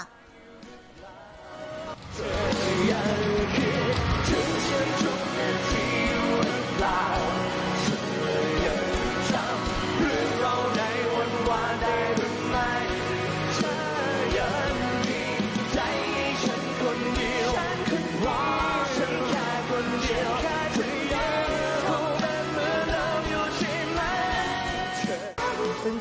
เพื่อนเราในวันวาได้หรือไม่เธอยังมีใจให้ฉันคนเดียวฉันคือเธอฉันแค่คนเดียวฉันแค่เธอเธอแม่งเหมือนเราอยู่ใช่ไหม